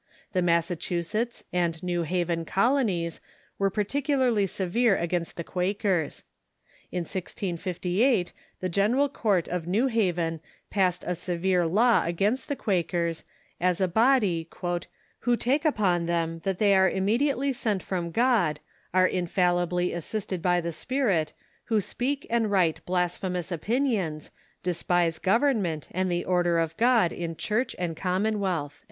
The Massa chusetts and New Haven colonies were particulai' Intolerance in j ggvere against the Quakers. In 1658 the Gen New England J ^^ eral Court of New Haven passed a severe law against the Quakers, as a body 'Svho take upon them that they are immediately sent from God, are infallibly assisted by the Spirit, who speak and write blasphemous opinions, despise government, and the order of God in Church and Common wealth."